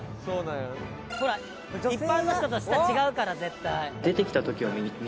「ほら一般の人と舌違うから絶対」